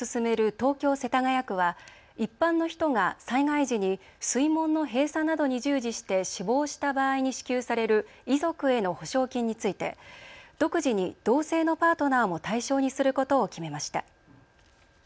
東京世田谷区は一般の人が災害時に水門の閉鎖などに従事して死亡した場合に支給される遺族への補償金について独自に同性のパートナーも対象にすることを決めました。